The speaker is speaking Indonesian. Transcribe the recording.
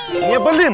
oh ini belin